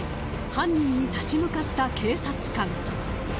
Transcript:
犯人に立ち向かった警察官。